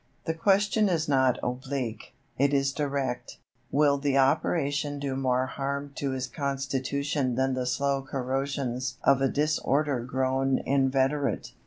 The question is not oblique; it is direct. Will the operation do more harm to his constitution than the slow corrosions of a disorder grown inveterate?